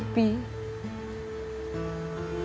bukan orang jahat